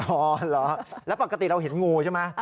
อ๋อเหรอแล้วปกติเราเห็นงูใช่ไหม